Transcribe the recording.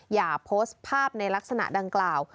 อย่าโพสต์ภาพในลักษณะดังกล่าว